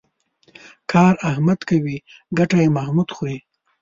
کار احمد کوي ګټه یې محمود خوري.